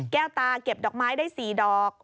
ตาเก็บดอกไม้ได้๔ดอก